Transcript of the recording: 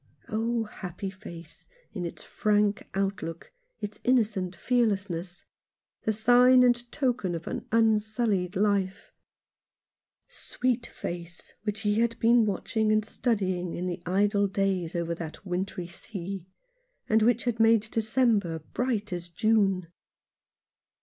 Oh, happy face, in its frank outlook, its innocent fearlessness — the sign and token of an unsullied life ! Sweet face which he had been watching and studying in the idle days over that wintry sea, and which had made December bright as June